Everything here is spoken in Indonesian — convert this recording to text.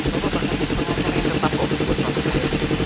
bapak akan jadi pengacara yang tetap kok buat temen saya